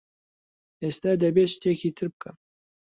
ئێستا دەبێت شتێکی تر بکەم.